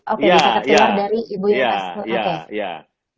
oke bisa tertular dari ibu yang pas